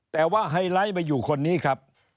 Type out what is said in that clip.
แต่ว่าไฮไลท์มาอยู่คนนี้ครับ